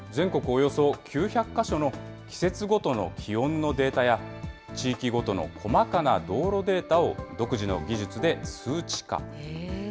およそ９００か所の季節ごとの気温のデータや、地域ごとの細かな道路データを独自の技術で数値化。